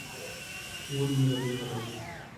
ونې یې له بېخه راویستلې.